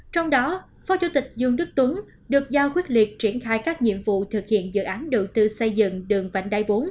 trong đó phó chủ tịch dương đức tuấn được giao quyết liệt triển khai các nhiệm vụ thực hiện dự án đầu tư xây dựng đường vành đai bốn